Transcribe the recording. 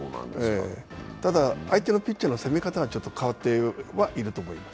ただ、相手のピッチャーの攻め方がちょっと変わってはいると思います。